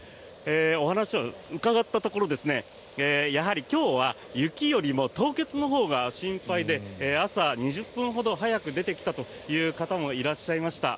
お話を伺ったところやはり今日は雪よりも凍結のほうが心配で朝、２０分ほど早く出てきたという方もいらっしゃいました。